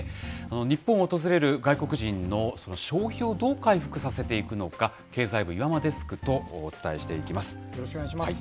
日本を訪れる外国人の消費をどう回復させていくのか、経済部、よろしくお願いします。